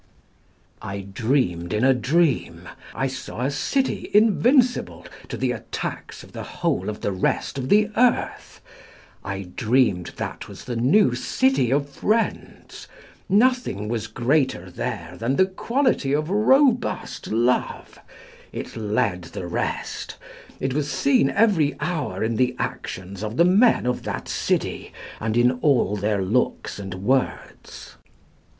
"I dream'd in a dream, I saw a city invincible to the attacks of the whole of the rest of the earth; I dream'd that was the new City of Friends; Nothing was greater there than the quality of robust love it led the rest; It was seen every hour in the actions of the men of that city, And in all their looks and words."